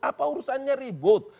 apa urusannya ribut